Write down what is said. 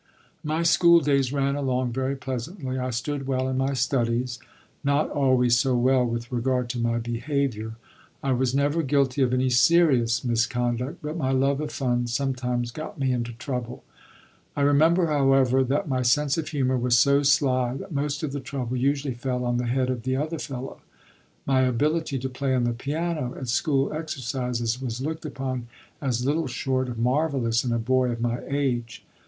My school days ran along very pleasantly. I stood well in my studies, not always so well with regard to my behavior. I was never guilty of any serious misconduct, but my love of fun sometimes got me into trouble. I remember, however, that my sense of humor was so sly that most of the trouble usually fell on the head of the other fellow. My ability to play on the piano at school exercises was looked upon as little short of marvelous in a boy of my age.